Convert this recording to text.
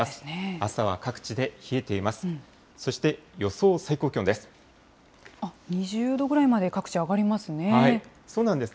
朝は各地で冷えています。